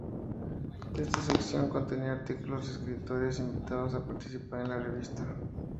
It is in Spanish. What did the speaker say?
Esta sección contenía artículos de escritores invitados a participar en la revista.